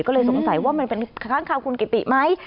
ก็เลยสงสัยว่ามันเป็นค้างคาวคุณกิติไหม